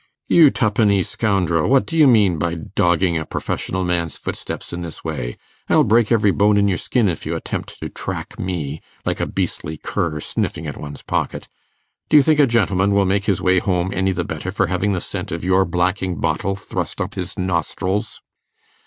'You twopenny scoundrel! What do you mean by dogging a professional man's footsteps in this way? I'll break every bone in your skin if you attempt to track me, like a beastly cur sniffing at one's pocket. Do you think a gentleman will make his way home any the better for having the scent of your blacking bottle thrust up his nostrils?